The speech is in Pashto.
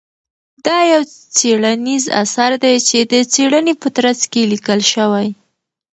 دا يو څېړنيز اثر دى چې د څېړنې په ترڅ کې ليکل شوى.